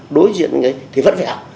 đối diện với những gì thì vẫn phải học